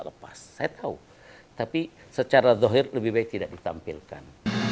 lepas saya tahu tapi secara dohir lebih baik tidak ditampilkan